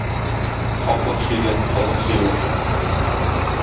Хаклык сөйгәнне халык сөймәс.